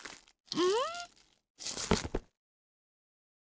うん？